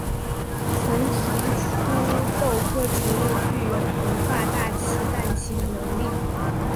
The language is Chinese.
曾提出豆科植物具有同化大气氮气的能力。